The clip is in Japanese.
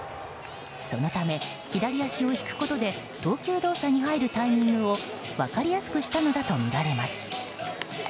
そのため左足を引くことで投球動作に入るタイミングを分かりやすくしたのだとみられます。